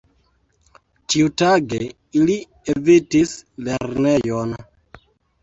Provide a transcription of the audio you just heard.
Tiutage ili evitis lernejon.